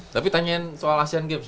tapi tanyain soal asean games